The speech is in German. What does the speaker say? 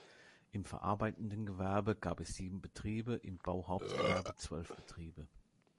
Im verarbeitenden Gewerbe gab es sieben Betriebe, im Bauhauptgewerbe zwölf Betriebe.